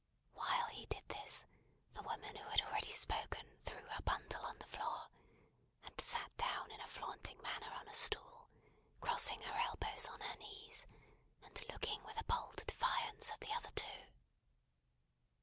While he did this, the woman who had already spoken threw her bundle on the floor, and sat down in a flaunting manner on a stool; crossing her elbows on her knees, and looking with a bold defiance at the other two.